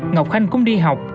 ngọc khanh cũng đi học